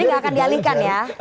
jadi nggak akan dialihkan ya